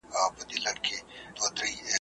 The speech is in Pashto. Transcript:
نن ایله دهقان شیندلي دي تخمونه `